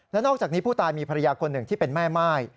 และนอกจากนี้ผู้ตายมีภรรยาคนหนึ่งที่เป็นแม่ม่าย